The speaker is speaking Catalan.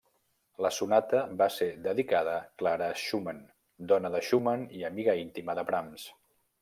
La sonata va ser dedicada Clara Schumann, dona de Schumann i amiga íntima de Brahms.